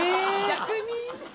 逆に？